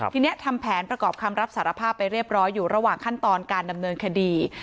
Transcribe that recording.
ทีนี้ทำแผนประกอบคำรับสารภาพไปเรียบร้อยอยู่ระหว่างขั้นตอนการดำเนินคดี